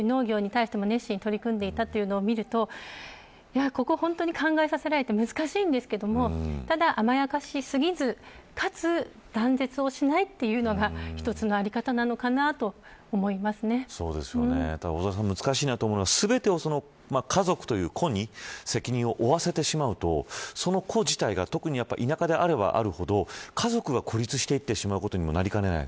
農業に対しても熱心に取り組んでいたというのをみるとここは本当に考えさせられて難しいんですけどただ甘やかしすぎず、かつ断絶をしないというのが一つのあり方なのかなと大空さん、難しいと思うのが全てを家族という個に責任を負わせてしまうとその個自体が特に、田舎であればあるほど家族が孤立していってしまうことにもなりかねない。